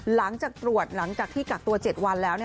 หลังจากตรวจหลังจากที่กักตัว๗วันแล้ว